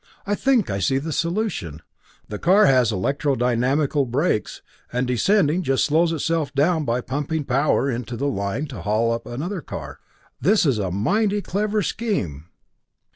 I think I see the solution the car has electro dynamical brakes, and descending, just slows itself down by pumping power into the line to haul some other car up. This is a mighty clever scheme!"